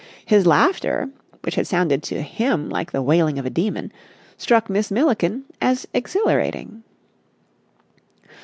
His laughter, which had sounded to him like the wailing of a demon, struck Miss Milliken as exhilarating.